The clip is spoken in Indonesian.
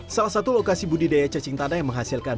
salah satu lokasi budidaya cacing tanah yang menghasilkan